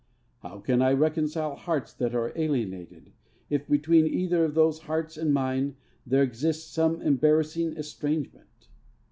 How can I reconcile hearts that are alienated if, between either of those hearts and mine, there exists some embarrassing estrangement?